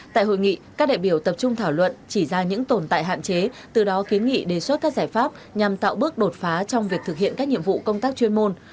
tại hội nghị các đại biểu tập trung thảo luận chỉ ra những tồn tại hạn chế từ đó kiến nghị đề xuất các giải pháp nhằm tạo bước đột phá trong việc thực hiện các nhiệm vụ công tác chuyên môn